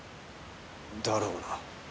だろうな。